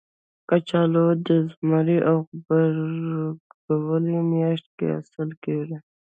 کچالو د زمري او غبرګولي میاشت کې حاصل کېږي